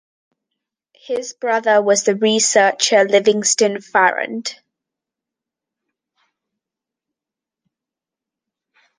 His brother was the researcher Livingston Farrand.